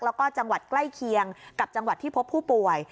แล้วก็จังหวัดใกล้เคียงกับจังหวัดที่พบผู้ป่วย